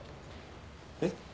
えっ？